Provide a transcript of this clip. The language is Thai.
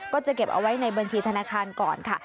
ก็จะเก็บเอาไว้ในบัญชีธนาคารก่อนค่ะ